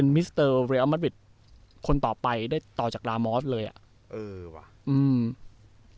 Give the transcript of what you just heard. มิสเตอร์เรียลมัดวิดคนต่อไปได้ต่อจากลามอสเลยอ่ะเออว่ะอืม